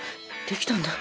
できたんだ。